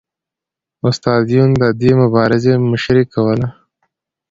استاد یون د دې مبارزې مشري کوله